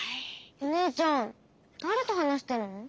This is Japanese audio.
お姉ちゃんだれと話してるの？